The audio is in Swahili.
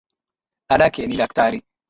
Dadake ni Daktari.